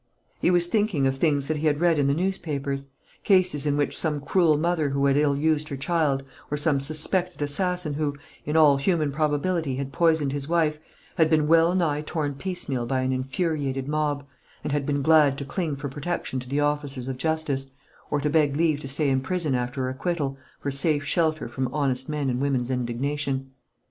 He was thinking of things that he had read in the newspapers, cases in which some cruel mother who had ill used her child, or some suspected assassin who, in all human probability, had poisoned his wife, had been well nigh torn piecemeal by an infuriated mob, and had been glad to cling for protection to the officers of justice, or to beg leave to stay in prison after acquittal, for safe shelter from honest men and women's indignation.